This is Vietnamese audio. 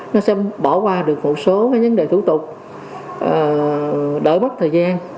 nó sẽ bỏ qua được một số những vấn đề thủ tục đỡ bắt thời gian